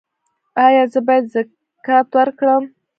ایا زه باید زکات ورکړم؟